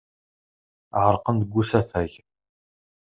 Ɛerqen deg usafag.